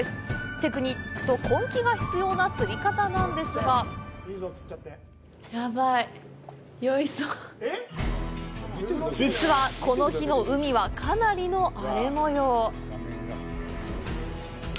テクニックと根気が必要な釣り方なんですが実はこの日の海はかなりの荒れもよう。